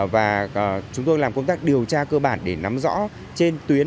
và chúng tôi làm công tác điều tra cơ bản để nắm rõ trên tuyến